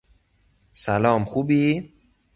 سلام، خوبی؟